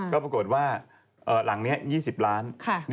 ก็ปรากฏว่าหลังนี้๒๐ล้าน